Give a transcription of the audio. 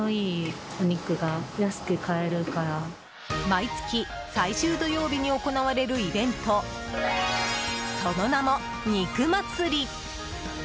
毎月最終土曜日に行われるイベント、その名も肉祭。